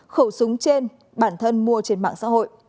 khẩu súng trên bản thân mua trên mạng xã hội